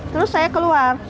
terus saya keluar